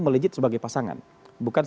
melejit sebagai pasangan bukan